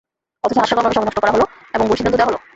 অথচ হাস্যকরভাবে সময় নষ্ট করা হলো এবং ভুল সিদ্ধান্ত দেওয়া হলো।